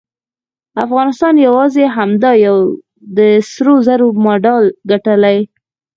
افغانستان یواځې همدا یو د سرو زرو مډال ګټلی